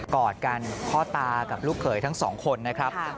กอดกันพ่อตากับลูกเขยทั้งสองคนนะครับ